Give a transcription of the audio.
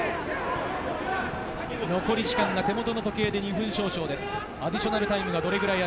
残り時間が手元の時計で２分少々です。